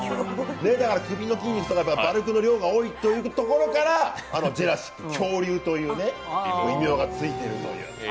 だから首の筋肉とかバルクの量が多いというところからジュラシック、恐竜という異名がついているという。